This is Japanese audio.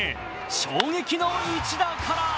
衝撃の一打から。